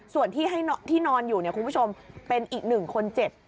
ส่วนที่นอนอยู่คุณผู้ชมเป็นอีก๑คนเจ็บ